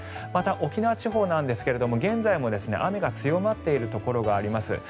また、沖縄地方なんですが現在も雨が強まっているところがあります。